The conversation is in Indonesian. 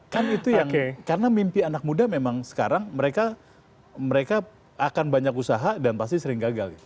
kan itu yang karena mimpi anak muda memang sekarang mereka akan banyak usaha dan pasti sering gagal